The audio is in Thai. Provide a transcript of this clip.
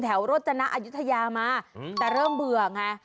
โรจนะอายุทยามาแต่เริ่มเบื่อไง